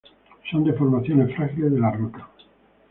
Son deformaciones frágiles de las rocas.